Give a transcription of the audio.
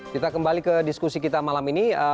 kita kembali ke diskusi kita malam ini